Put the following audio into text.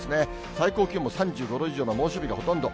最高気温も３５度以上の猛暑日がほとんど。